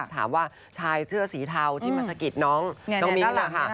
ถามว่าชายเชื้อสีเทาที่มาสะกิดน้องน้องมิ๊งค์นะคะ